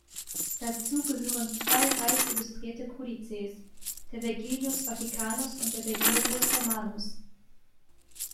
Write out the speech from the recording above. Dazu gehören zwei reich illustrierte Codices, der Vergilius Vaticanus, und der Vergilius Romanus.